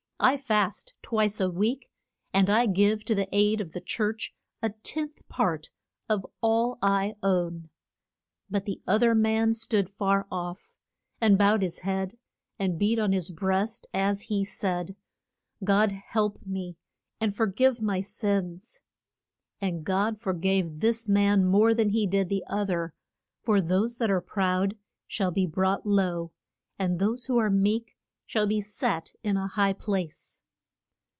I fast twice a week, and I give to the aid of the church a tenth part of all I own. [Illustration: THE PHAR I SEE.] But the oth er man stood far off, and bowed his head, and beat on his breast as he said, God help me, and for give my sins. And God for gave this man more than he did the oth er, for those that are proud shall be brought low, and those who are meek shall be set in a high place.